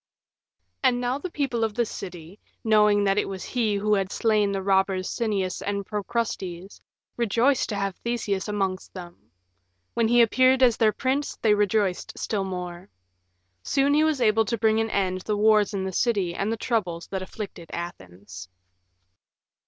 And now the people of the city, knowing that it was he who had slain the robbers Sinnias and Procrustes, rejoiced to have Theseus amongst them. When he appeared as their prince they rejoiced still more. Soon he was able to bring to an end the wars in the city and the troubles that afflicted Athens.